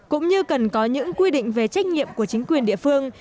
cũng như cần có những quy định về trách nhiệm của chính quyền địa phương